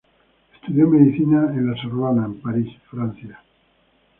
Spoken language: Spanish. Estudió medicina en La Sorbona en París, Francia.